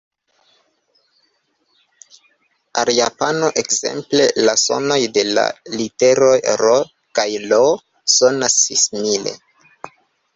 Al japano, ekzemple, la sonoj de la literoj R kaj L sonas simile.